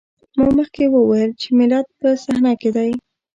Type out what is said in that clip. ما مخکې وويل چې ملت په صحنه کې دی.